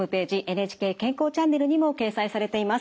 「ＮＨＫ健康チャンネル」にも掲載されています。